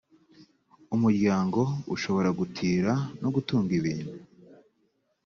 umuryango ushobora gutira no gutung ibintu